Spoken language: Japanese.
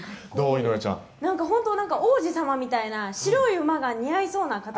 井上ちゃん」「本当なんか王子様みたいな白い馬が似合いそうな方ですね」